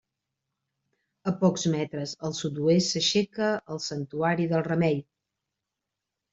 A pocs metres al sud-oest s'aixeca el santuari del Remei.